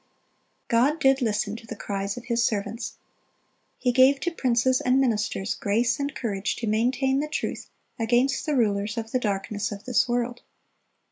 (312) God did listen to the cries of His servants. He gave to princes and ministers grace and courage to maintain the truth against the rulers of the darkness of this world.